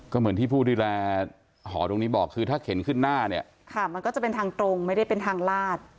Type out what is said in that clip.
ก็เหมือนที่ผู้ดูแลหอตรงนี้บอกคือถ้าเข็นขึ้นหน้าเนี่ยค่ะมันก็จะเป็นทางตรงไม่ได้เป็นทางลาด